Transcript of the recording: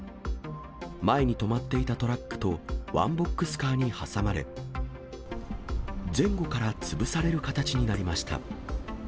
前に止まっていたトラックと、ワンボックスカーに挟まれ、前後から潰される形になりました。